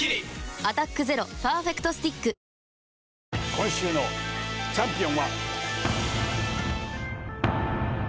今週のチャンピオンは。